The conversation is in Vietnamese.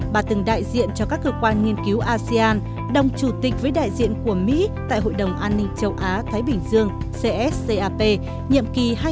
bà từng đại diện cho các cơ quan nghiên cứu asean đồng chủ tịch với đại diện của mỹ tại hội đồng an ninh châu á thái bình dương cscap nhiệm kỳ hai nghìn một mươi ba hai nghìn một mươi năm